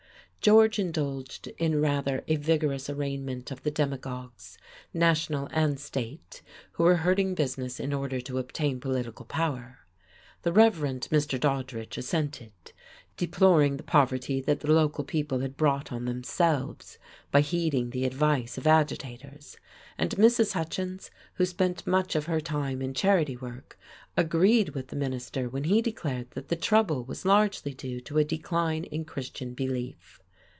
George indulged in rather a vigorous arraignment of the demagogues, national and state, who were hurting business in order to obtain political power. The Reverend Mr. Doddridge assented, deploring the poverty that the local people had brought on themselves by heeding the advice of agitators; and Mrs. Hutchins, who spent much of her time in charity work, agreed with the minister when he declared that the trouble was largely due to a decline in Christian belief.